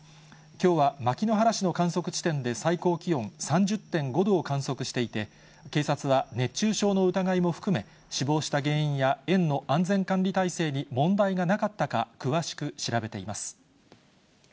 きょうは牧之原市の観測地点で、最高気温３０．５度を観測していて、警察は、熱中症の疑いも含め、死亡した原因や園の安全管理体制に問題がなかったか、詳しく調べています。